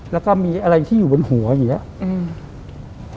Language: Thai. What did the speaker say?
แล้วก็มีอะไรที่อยู่บนหัวอย่างนี้